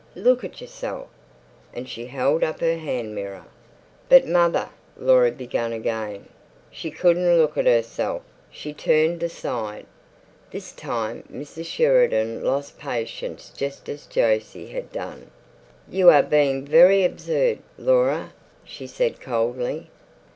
Look at yourself!" And she held up her hand mirror. "But, mother," Laura began again. She couldn't look at herself; she turned aside. This time Mrs. Sheridan lost patience just as Jose had done. "You are being very absurd, Laura," she said coldly.